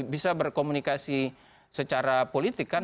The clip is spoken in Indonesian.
bisa berkomunikasi secara politik kan